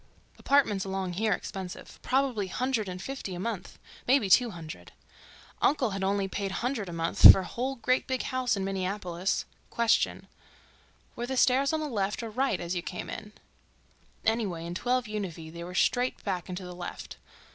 Apartments along here expensive—probably hundred and fifty a month—maybe two hundred. Uncle had only paid hundred a month for whole great big house in Minneapolis. Question—were the stairs on the left or right as you came in? Anyway, in 12 Univee they were straight back and to the left.